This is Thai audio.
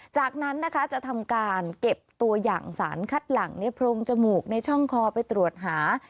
จากนั้นนะคะจะทำการเก็บตัวอย่างสารคัดหลังในโพรงจมูกในช่องคอไปตรวจหา